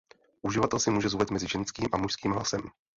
Uživatel si může zvolit mezi ženským a mužským hlasem.